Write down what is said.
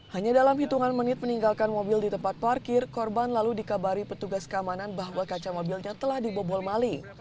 hanya dalam hitungan menit meninggalkan mobil di tempat parkir korban lalu dikabari petugas keamanan bahwa kaca mobilnya telah dibobol mali